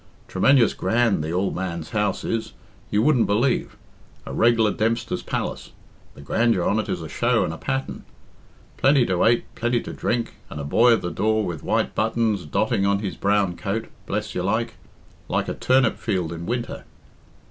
"Tremenjous grand the ould man's house is you wouldn't believe. A reg'lar Dempster's palace. The grandeur on it is a show and a pattern. Plenty to ate, plenty to drink, and a boy at the door with white buttons dotting on his brown coat, bless you like like a turnip field in winter.